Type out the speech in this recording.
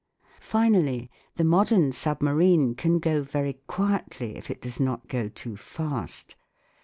Finally, the modern submarine can go very quietly if it does not go too fast.